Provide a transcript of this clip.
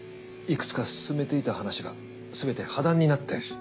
いくつか進めていた話がすべて破談になって。